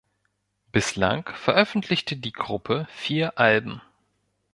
Bislang veröffentlichte die Gruppe vier Alben.